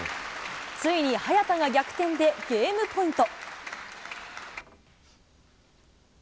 ついに早田が逆転でゲームポイント。